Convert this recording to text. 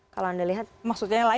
kalau anda lihat